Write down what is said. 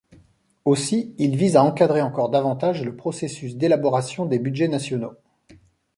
Aussi, ils visent à encadrer encore davantage le processus d'élaboration des budgets nationaux.